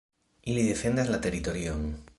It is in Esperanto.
Ili defendas la teritorion.